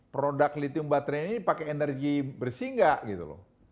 produk lithium baterai ini pakai energi bersih nggak gitu loh